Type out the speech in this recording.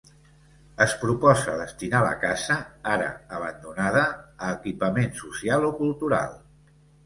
Es proposa destinar la casa, ara abandonada, a equipament social o cultural.